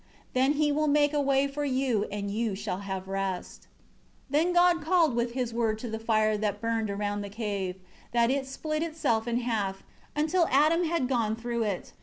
Then He will make a way for you, and you shall have rest." Then God called with His Word to the fire that burned around the cave, that it split itself in half, until Adam had gone through it.